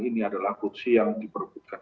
ini adalah kursi yang diperlukan